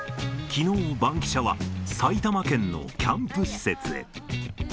きのう、バンキシャは埼玉県のキャンプ施設へ。